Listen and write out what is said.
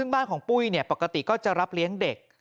บ้านของปุ้ยปกติก็จะรับเลี้ยงเด็ก